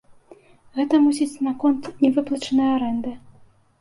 Гэта, мусіць, наконт нявыплачанай арэнды.